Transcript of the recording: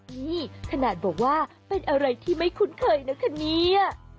นี่ขนาดบอกว่าเป็นอะไรที่ไม่คุ้นเคยนะคะเนี่ย